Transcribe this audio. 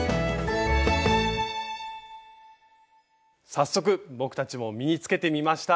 早速僕たちも身につけてみました。